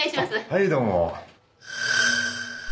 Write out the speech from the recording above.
はいどうも。